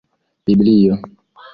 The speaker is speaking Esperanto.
biblio